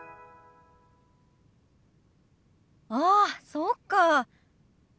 ああそうか。